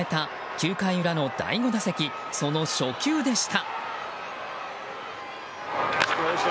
９回裏の第５打席その初球でした。